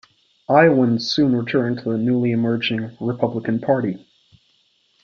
Iowans soon turned to the newly emerging Republican Party.